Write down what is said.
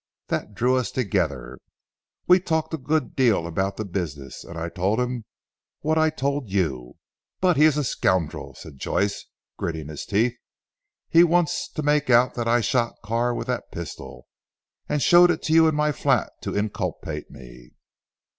That drew us together. We talked a good deal about the business, and I told him what I told you. But he is a scoundrel," said Joyce gritting his teeth, "he wants to make out that I shot Carr with that pistol, and showed it to you in my flat to inculpate me."